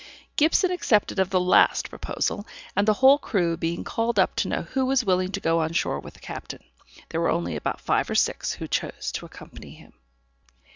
Gibson accepted of the last proposal; and the whole crew being called up to know who was willing to go on shore with the captain, there were only about five or six who chose to accompany him.